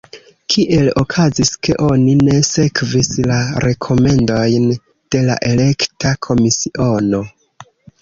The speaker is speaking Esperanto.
Kiel okazis, ke oni ne sekvis la rekomendojn de la elekta komisiono?